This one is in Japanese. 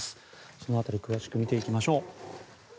その辺り詳しく見ていきましょう。